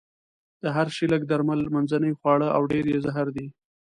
د هر شي لږ درمل، منځنۍ خواړه او ډېر يې زهر دي.